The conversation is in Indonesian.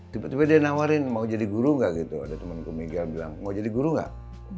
tiba tiba dia nawarin mau jadi guru nggak gitu ada temanku miga bilang mau jadi guru nggak